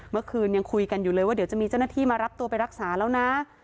เมื่อคืนยังคุยกันอยู่เลยว่าเดี๋ยวจะมีเจ้าหน้าที่มารับตัวไปรักษาแล้วนะ